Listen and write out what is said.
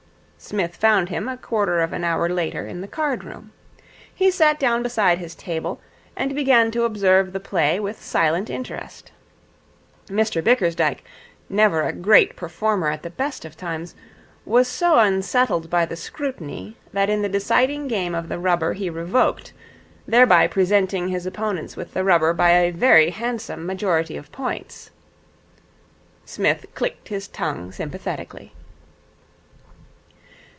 Psmith found him a quarter of an hour later in the card room. He sat down beside his table, and began to observe the play with silent interest. Mr Bickersdyke, never a great performer at the best of times, was so unsettled by the scrutiny that in the deciding game of the rubber he revoked, thereby presenting his opponents with the rubber by a very handsome majority of points. Psmith clicked his tongue sympathetically.